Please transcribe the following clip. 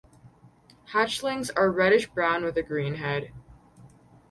Hatchlings are reddish brown with a green head.